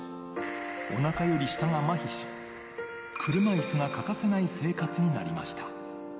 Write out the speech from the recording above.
おなかより下がまひし、車いすが欠かせない生活になりました。